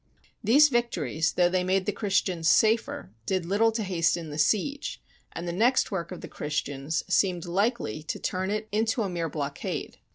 These victories, though they made the Christians safer, did little to hasten the siege; and the next work of the Christians seemed likely to turn it into SIEGE OF ANTIOCH a mere blockade.